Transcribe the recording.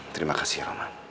terima kasih ya roman